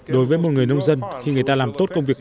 đối với một người nông dân khi người ta làm tốt công việc